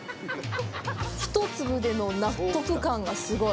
一粒での納得感がすごい。